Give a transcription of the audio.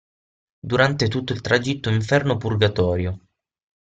Durante tutto il tragitto inferno-purgatorio.